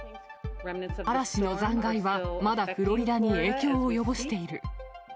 嵐の残骸はまだフロリダに影響を及ぼしている。